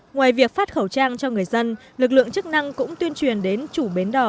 ngoài việc phát khẩu trang cho người dân lực lượng chức năng cũng tuyên truyền đến chủ bến đỏ